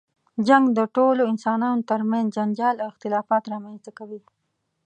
جنګ د ټولو انسانانو تر منځ جنجال او اختلافات رامنځته کوي.